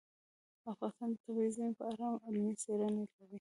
افغانستان د طبیعي زیرمې په اړه علمي څېړنې لري.